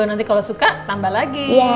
nanti kalau suka tambah lagi